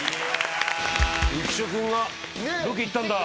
浮所君がロケ行ったんだ！